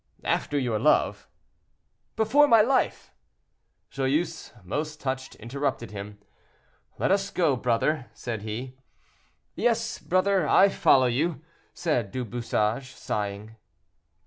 "After your love." "Before my life." Joyeuse, much touched, interrupted him. "Let us go, brother," said he. "Yes, brother, I follow you," said Du Bouchage, sighing.